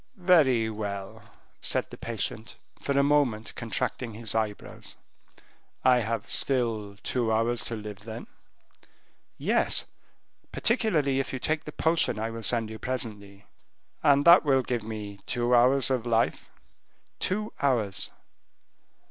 "Very well," said the patient, for a moment contracting his eyebrows, "I have still two hours to live then?" "Yes; particularly if you take the potion I will send you presently." "And that will give me two hours of life?" "Two hours."